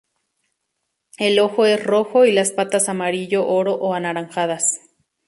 El ojo es rojo y las patas amarillo oro o anaranjadas.